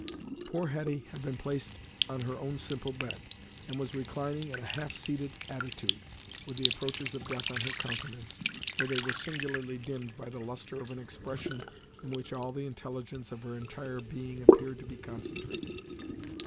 Poor Hetty had been placed on her own simple bed, and was reclining in a half seated attitude, with the approaches of death on her countenance, though they were singularly dimmed by the lustre of an expression in which all the intelligence of her entire being appeared to be concentrated.